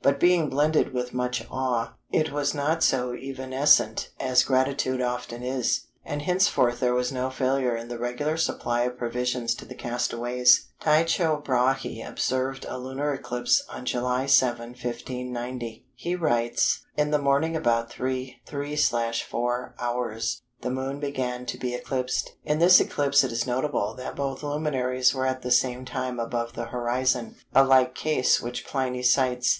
But being blended with much awe, it was not so evanescent as gratitude often is; and henceforth there was no failure in the regular supply of provisions to the castaways." Tycho Brahe observed a lunar eclipse on July 7, 1590. He writes:—"In the morning about 3¾h. the Moon began to be eclipsed: in this eclipse it is notable that both luminaries were at the same time above the horizon; a like case which Pliny cites.